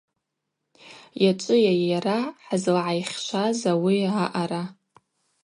Йачӏвыйа йара хӏызлагӏайхьшваз ауи аъара.